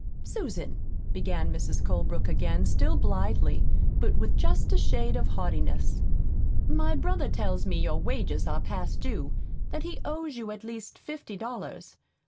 "Susan," began Mrs. Colebrook again, still blithely, but with just a shade of haughtiness, "my brother tells me your wages are past due; that he owes you at least fifty dollars.